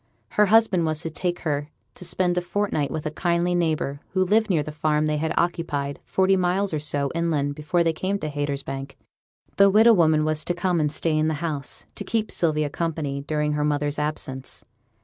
Her husband was to take her to spend a fortnight with a kindly neighbour, who lived near the farm they had occupied, forty miles or so inland, before they came to Haytersbank. The widow woman was to come and stay in the house, to keep Sylvia company, during her mother's absence.